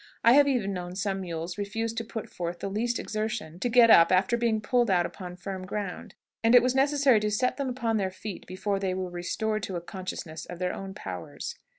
I have even known some mules refuse to put forth the least exertion to get up after being pulled out upon firm ground, and it was necessary to set them upon their feet before they were restored to a consciousness of their own powers.